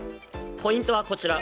ポイントはこちら。